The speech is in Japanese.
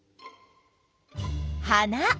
花。